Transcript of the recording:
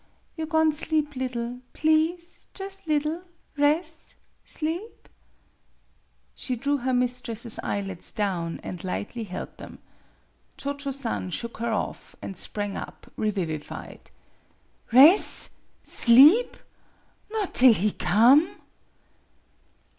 You go'n' sleep liddle please, jus' liddle res' sleep ?" She drew her mistress's eyelids down, and lightly held them. Cho Cho San shook her off, and sprang up, revivified. MADAME BUTTERFLY 69 "Res'! Sleep! Not till he come!